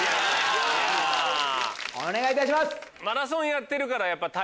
お願いいたします。